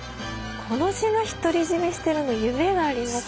この島独り占めしてるの夢がありますね。